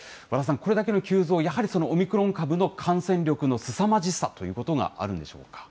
和田さん、これだけの急増、やはりオミクロン株の感染力のすさまじさということがあるんでし